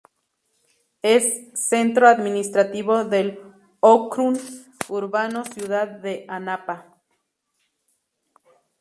Es centro administrativo del ókrug urbano Ciudad de Anapa.